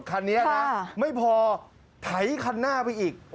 คันนี้นะไม่พอไถคันหน้าไปอีก